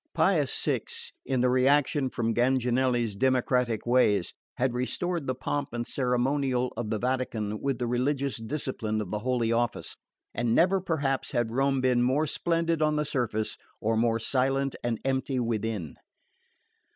Pius VI., in the reaction from Ganganelli's democratic ways, had restored the pomp and ceremonial of the Vatican with the religious discipline of the Holy Office; and never perhaps had Rome been more splendid on the surface or more silent and empty within.